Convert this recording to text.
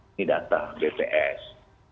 ini data bps